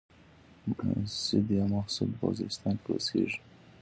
مسيد يا محسود په وزيرستان کې اوسيږي.